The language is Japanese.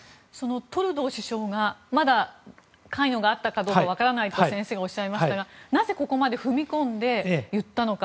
トルドー首相がまだ関与があったかどうか分からないと先生がおっしゃいましたがなぜここまで踏み込んで言ったのか。